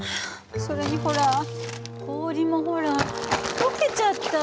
それにほら氷もほら解けちゃった！